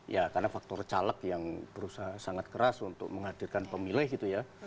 ya karena faktor caleg yang berusaha sangat keras untuk menghadirkan pemilih gitu ya